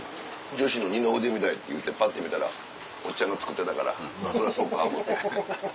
女子の二の腕みたいっていうてパッて見たらおっちゃんが作ってたからそりゃそうか思うて。